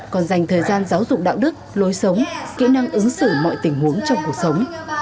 còn dành thời gian giáo dục đạo đức lối sống kỹ năng ứng xử mọi tình huống trong cuộc sống